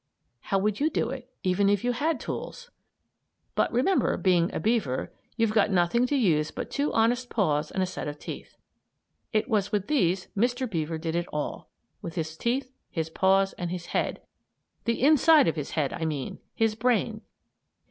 How would you do it; even if you had tools? But remember, being a beaver, you've got nothing to use but two honest paws and a set of teeth. It was with these Mr. Beaver did it all with his teeth, his paws, and his head; the inside of his head, I mean his brain.